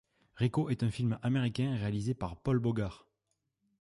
Ricco est un film américain réalisé par Paul Bogart.